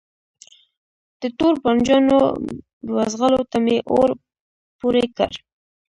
د توربانجانو بوزغلو ته می اور پوری کړ